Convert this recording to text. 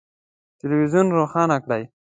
تلویزون روښانه کړئ